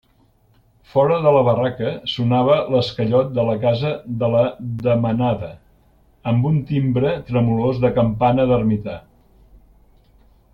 Fora de la barraca sonava l'esquellot de la casa de la Demanada, amb un timbre tremolós de campana d'ermita.